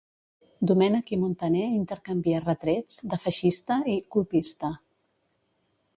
Domènech i Muntaner intercanvia retrets de "feixista" i "colpista".